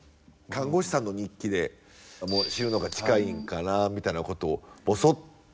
看護師さんの日記でもう死ぬのが近いんかなあみたいなことをぼそっ。